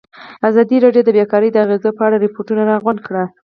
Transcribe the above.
ازادي راډیو د بیکاري د اغېزو په اړه ریپوټونه راغونډ کړي.